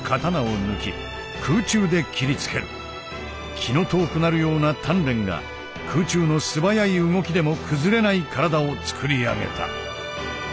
気の遠くなるような鍛錬が空中の素早い動きでも崩れない体をつくり上げた。